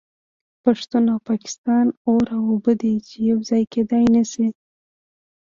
پښتون او پاکستان اور او اوبه دي چې یو ځای کیدای نشي